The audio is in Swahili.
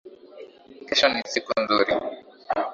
Kesho ni siku nzuri